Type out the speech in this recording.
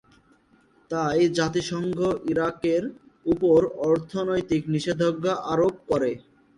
তাই জাতিসংঘ ইরাকের উপর অর্থনৈতিক নিষেধাজ্ঞা আরোপ করে।